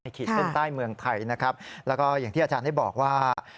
ขีดเส้นใต้เมืองไทยนะครับแล้วก็อย่างที่อาจารย์ได้บอกว่า